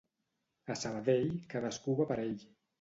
A Sabadell cadascú va per ell